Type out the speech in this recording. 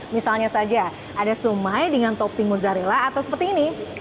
misalnya saja ada sumai dengan topping mozzarella atau seperti ini